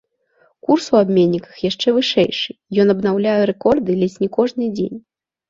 Курс у абменніках яшчэ вышэйшы, ён абнаўляе рэкорды ледзь не кожны дзень.